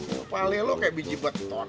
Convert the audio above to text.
kepalin lu kayak biji beton